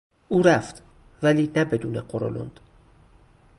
او رفت ولی نه بدون غرولند.